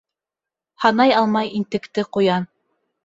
Һанай алмай интекте ҡуян.